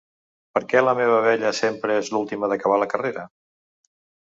Per què la meva abella sempre és l'última d'acabar la carrera?